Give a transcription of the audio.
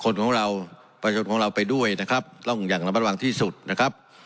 คนของเราประชนของเราไปด้วยนะครับต้องอย่างระมัดระวังที่สุดนะครับ